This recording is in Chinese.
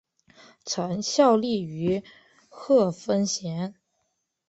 曾效力于贺芬咸。